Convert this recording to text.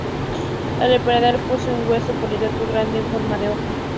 El paladar posee un hueso palatino grande en forma de hoja.